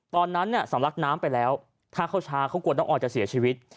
ตอนนั้นสำลักน้ำไปแล้วถ้าเข้าช้าเขากลัวน้องออยจะเสียชีวิต